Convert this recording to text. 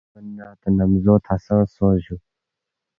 دےمن نہ تا نمزو تھہ سنگ سونگس جوُ